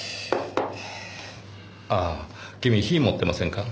ああ君火持ってませんか？